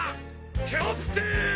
キャプテン！